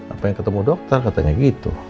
apa yang ketemu dokter katanya gitu